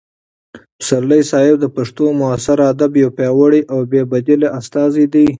پسرلي صاحب د پښتو معاصر ادب یو پیاوړی او بې بدیله استازی دی.